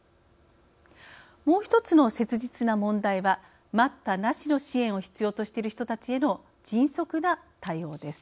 もう一つの切実な問題は待ったなしの支援を必要としている人たちへの迅速な対応です。